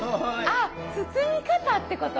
あ包み方ってこと？